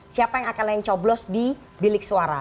siapa yang akan lain coblos di bilik suara